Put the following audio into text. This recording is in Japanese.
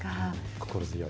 心強い。